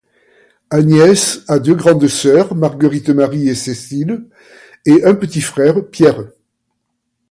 Agnès a deux grandes sœurs, Marguerite-Marie et Cécile, et un petit frère, Pierre.